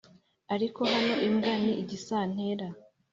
ariko hano imbwa ni igisantera